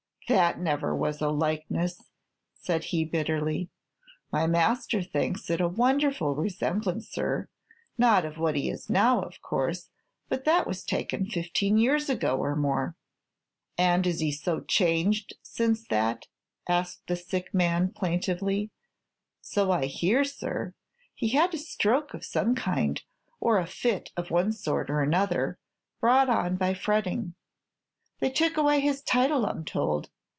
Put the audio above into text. "That never was a likeness!" said he, bitterly. "My master thinks it a wonderful resemblance, sir, not of what he is now, of course; but that was taken fifteen years ago or more." "And is he so changed since that?" asked the sick man, plaintively. "So I hear, sir. He had a stroke of some kind, or fit of one sort or another, brought on by fretting. They took away his title, I'm told.